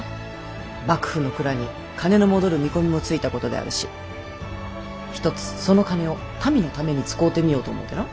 幕府の蔵に金の戻る見込みもついたことであるしひとつその金を民のために使うてみようと思うてな。